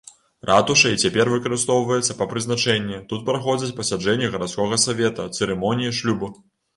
Ратуша і цяпер выкарыстоўваецца па прызначэнні, тут праходзяць пасяджэнні гарадскога савета, цырымоніі шлюбу.